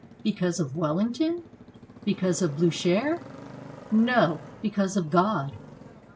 Because of Wellington? Be cause of Bliicher? No! Because of God.